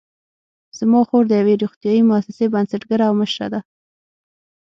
زما خور د یوې روغتیايي مؤسسې بنسټګره او مشره ده